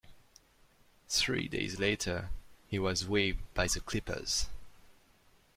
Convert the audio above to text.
Three days later, he was waived by the Clippers.